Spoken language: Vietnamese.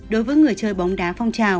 đối với người chơi bóng đá phong trào